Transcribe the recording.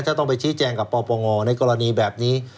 ถ้าต้องไปชี้แจงกับปปงในกรณีแบบนี้